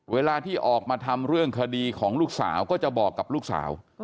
เวลาที่ออกมาทำเรื่องคดีของลูกสาวก็จะบอกกับลูกสาว